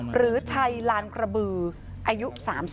หรือชัยลานกระบืออายุ๓๒